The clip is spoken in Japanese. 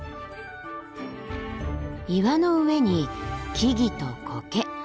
岩の上に木々とコケ。